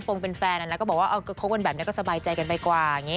สัมผัสว่าเป็นฟงต์เป็นแฟนแล้วเข้ากันแบบนี้ก็สบายใจกันไปกว่า